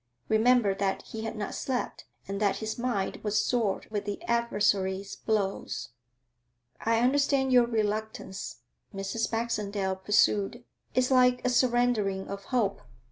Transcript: Remember that he had not slept, and that his mind was sore with the adversary's blows. 'I understand your reluctance,' Mrs. Baxendale pursued. 'It's like a surrendering of hope.